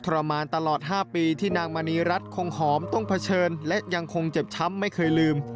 รมานตลอด๕ปีที่นางมณีรัฐคงหอมต้องเผชิญและยังคงเจ็บช้ำไม่เคยลืม